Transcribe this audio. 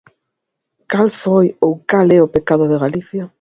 ¿Cal foi ou cal é o pecado de Galicia?